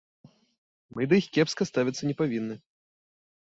Мы да іх кепска ставіцца не павінны.